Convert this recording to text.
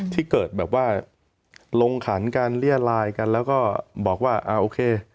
ที่เกิดแบบว่าลงขันกันเรียดลายกันแล้วก็บอกว่าอ่าโอเค